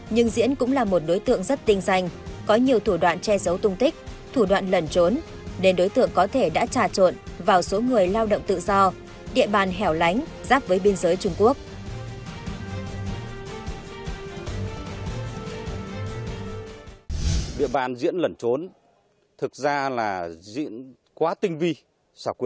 nhưng diễn cũng là một đối tượng rất tinh danh có nhiều thủ đoạn che giấu tung tích thủ đoạn lẩn trốn nên đối tượng có thể đã trà trộn vào số người lao động tự do địa bàn hẻo lánh giáp với biên giới trung quốc